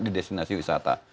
di destinasi wisata